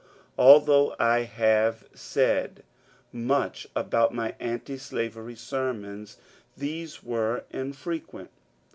Although I haye said much about my antislayery sermons, these were infrequent.